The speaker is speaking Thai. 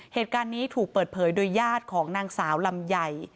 เหตุการณ์นี้ถูกเปิดเผยโดยญาติของนางสาวลำไย